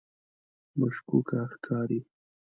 مشکوکه ښکاري.